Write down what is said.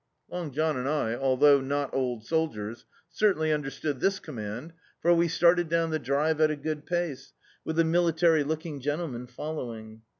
Long Jdin and I, althou^ not old soldiers, certainly understood this command, for we started down the drive at a good pace, with the military looking gen tleman following.